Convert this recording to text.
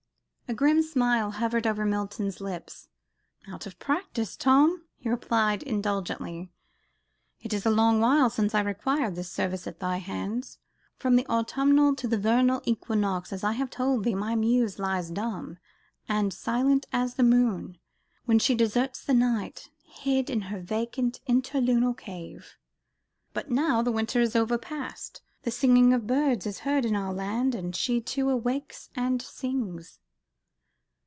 A grim smile hovered over Milton's full lips, "Out of practice, Tom," he replied indulgently, "it is a long while since I required this service at thy hands. From the autumnal to the vernal equinox, as I have told thee, my muse lies dumb, and silent as the moon, When she deserts the night, Hid in her vacant interlunar cave. But now the winter is overpast, the singing of birds is heard in our land, and she too awakes and sings.